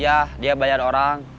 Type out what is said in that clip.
iya dia bayar orang